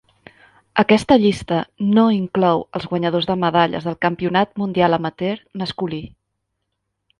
Aquesta llista "no" inclou els guanyadors de medalles del Campionat Mundial Amateur Masculí.